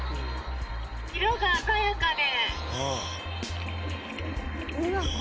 色が鮮やかで。